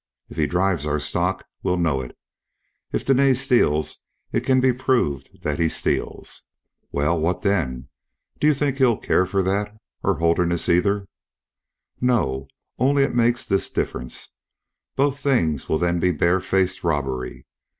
If he drives our stock we'll know it; if Dene steals, it can be proved that he steals." "Well, what then? Do you think he'll care for that, or Holderness either?" "No, only it makes this difference: both things will then be barefaced robbery.